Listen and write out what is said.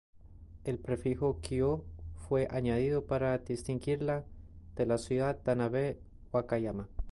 El prefijo "Kyo-" fue añadido para distinguirla de la ciudad de Tanabe, Wakayama.